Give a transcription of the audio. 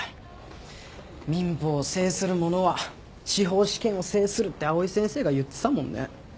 民法を制する者は司法試験を制するって藍井先生が言ってたもんね。